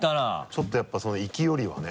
ちょっとやっぱ行きよりはね。